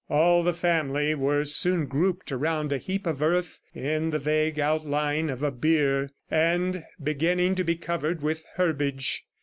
All the family were soon grouped around a heap of earth in the vague outline of a bier, and beginning to be covered with herbage.